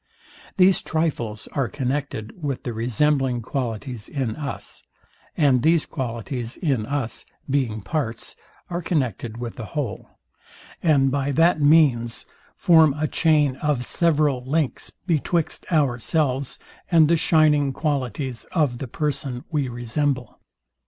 These trifles are connected with the resembling qualities in us; and these qualities in us, being parts, are connected with the whole; and by that means form a chain of several links of the person we resemble.